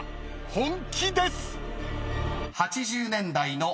本気です！］